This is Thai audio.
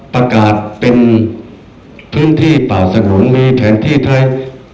ประกาศเป็นพื้นที่ป่าสงุนมีแผนที่ไทย